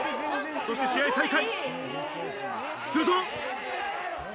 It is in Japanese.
そして試合再開。